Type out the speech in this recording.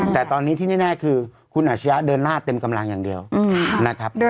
แต่ตอนนี้ที่แน่คือคุณอาชญะเดินหน้าเต็มกำลังอย่างเดียวนะครับ